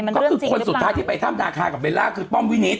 มันเรื่องจริงหรือยังละก็คือคนสุดท้ายที่ไปถ้ามธาคากับเบ้ลล่าคือป้อมวินิ็ต